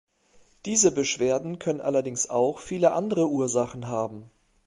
Diese Beschwerden können allerdings auch viele andere Ursachen haben.